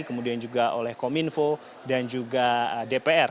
kemudian juga oleh kominfo dan juga dpr